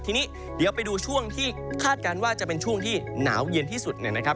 ทีนี้เดี๋ยวไปดูช่วงที่คาดการณ์ว่าจะเป็นช่วงที่หนาวเย็นที่สุดเนี่ยนะครับ